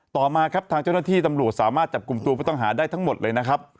ต่อมาครับทางเจ้าหน้าที่ตำรวจสามารถจับกลุ่มตัวผู้ต้องหาได้ทั้งหมดเลยนะครับ